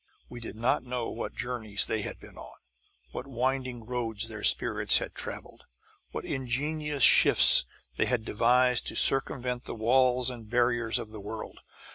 We did not know what journeys they had been on, what winding roads their spirits had travelled, what ingenious shifts they had devised to circumvent the walls and barriers of the world.